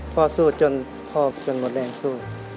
สู้จนพ่อจนหมดแรงสู้